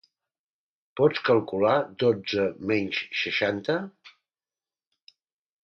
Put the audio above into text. Pots calcular dotze menys seixanta?